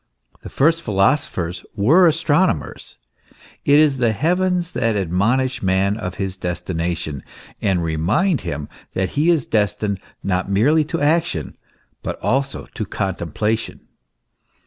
The first philosophers were astronomers. It is the heavens that admonish man of his destination, and remind him that he is destined not merely to action, but also to contemplation.